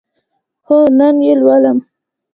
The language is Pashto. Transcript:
هو، نن یی لولم